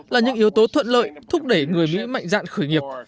là những yếu tố thuận lợi thúc đẩy người mỹ mạnh dạn khởi nghiệp